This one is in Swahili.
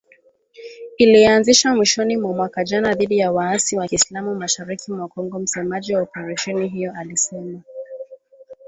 Iiliyoanzishwa mwishoni mwa mwaka jana dhidi ya waasi wa kiislam mashariki mwa Kongo msemaji wa operesheni hiyo alisema